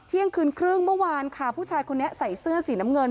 เที่ยงคืนครึ่งเมื่อวานค่ะผู้ชายคนนี้ใส่เสื้อสีน้ำเงิน